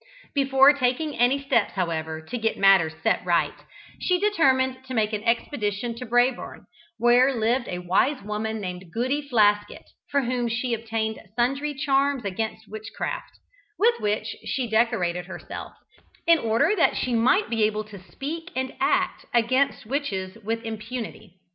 Before taking any steps, however, to get matters set right, she determined to make an expedition to Brabourne, where lived a wise woman named Goody Flaskett, from whom she obtained sundry charms against witchcraft, with which she decorated herself, in order that she might be able to speak and act against witches with impunity.